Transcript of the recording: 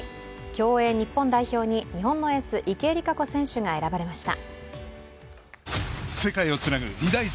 競泳日本代表に日本のエース・池江璃花子選手が選ばれました。